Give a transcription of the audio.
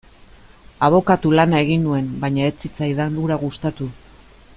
Abokatu lana egin nuen, baina ez zitzaidan hura gustatu.